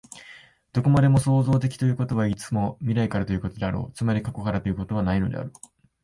どこまでも創造的ということは、いつも未来からということであろう、つまり過去からということはないのである。